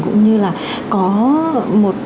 cũng như là có một